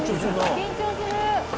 緊張する。